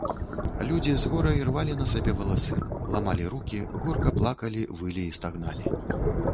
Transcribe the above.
Людзі з гора ірвалі на сабе валасы, ламалі рукі, горка плакалі, вылі і стагналі.